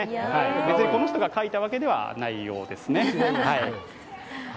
別にこの人が描いたわけではないようですね。